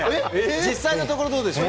実際のところ、どうでしょう。